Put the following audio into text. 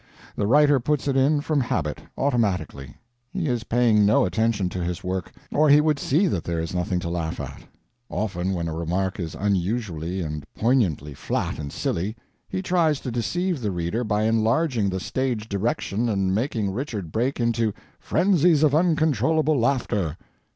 The writer puts it in from habit—automatically; he is paying no attention to his work; or he would see that there is nothing to laugh at; often, when a remark is unusually and poignantly flat and silly, he tries to deceive the reader by enlarging the stage direction and making Richard break into "frenzies of uncontrollable laughter."